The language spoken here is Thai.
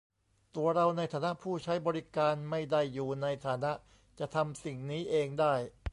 ตัวเราในฐานะผู้ใช้บริการไม่ได้อยู่ในฐานะจะทำสิ่งนี้เองได้